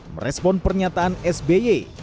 merespon pernyataan sby